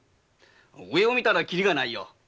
上を見たらきりがないよ。